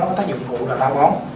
nó có tác dụng vụ là táo bón